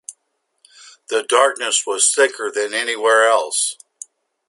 The darkness was thicker than anywhere else.